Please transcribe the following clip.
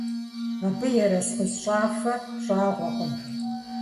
Абы и ерыскъыщӏафэ щӏагъуэкъым.